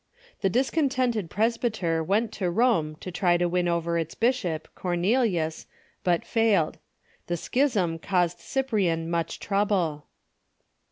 The discontented presbyter went to Rome to try to win over its bishop, Cornelius, but failed. The schism caused Cyprian much trouble.